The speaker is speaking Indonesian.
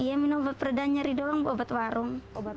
iya minum obat peredahan nyeri doang obat warung